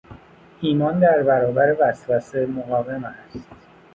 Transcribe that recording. ایمان در برابر وسوسه مقاوم است.